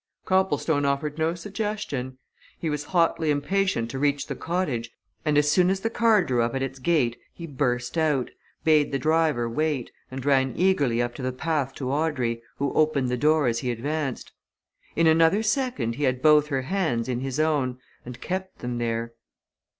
Copplestone offered no suggestion. He was hotly impatient to reach the cottage, and as soon as the car drew up at its gate he burst out, bade the driver wait, and ran eagerly up to the path to Audrey, who opened the door as he advanced. In another second he had both her hands in his own and kept them there.